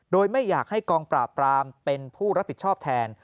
โดยไม่อยากให้กองปราบปรามเป็นผู้รับผิดชอบแทน